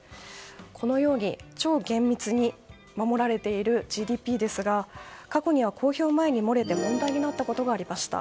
このように超厳密に守られているＧＤＰですが過去には公表前に漏れて問題になったことがありました。